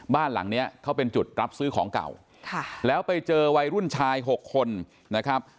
บ้านหลังเนี้ยเขาเป็นจุดรับซื้อของเก่าแล้วไปเจอวัยรุ่นชาย๖คนนะครับ